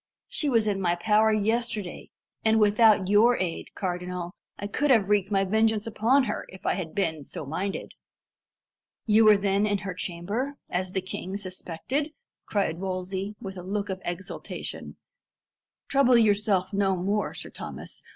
She was in my power yesterday, and without your aid, cardinal, I could have wreaked my vengeance upon her, if I had been so minded." "You were then in her chamber, as the king suspected?" cried Wolsey, with a look of exultation. "Trouble yourself no more, Sir Thomas.